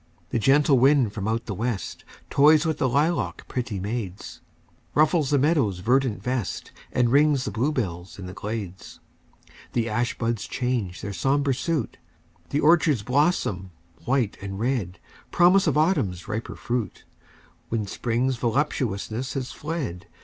The gentle wind from out the west Toys with the lilac pretty maids; Ruffles the meadow's verdant vest, And rings the bluebells in the glades; The ash buds change their sombre suit, The orchards blossom white and red— Promise of Autumn's riper fruit, When Spring's voluptuousness has fled.